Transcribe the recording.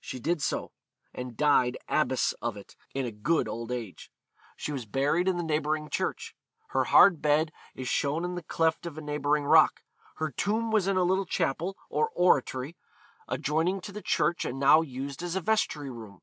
She did so, and died abbess of it, in a good old age. She was buried in the neighbouring church.... Her hard bed is shown in the cleft of a neighbouring rock. Her tomb was in a little chapel, or oratory, adjoining to the church and now used as a vestry room.